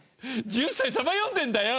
「１０歳サバ読んでるんだよ！」